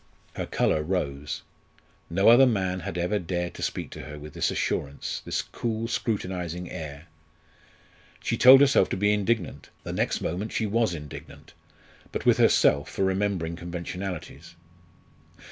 Her colour rose. No other man had ever dared to speak to her with this assurance, this cool scrutinising air. She told herself to be indignant; the next moment she was indignant, but with herself for remembering conventionalities.